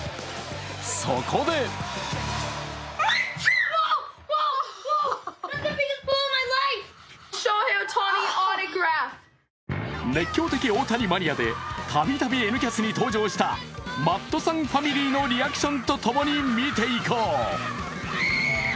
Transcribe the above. そこで熱狂的大谷マニアで、以前「Ｎキャス」が取材したマットさんファミリーのリアクションとともに見ていこう。